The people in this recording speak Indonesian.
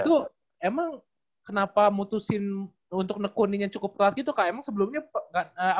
itu emang kenapa mutusin untuk nekunin yang cukup telat gitu kak emang sebelumnya nggak apa nggak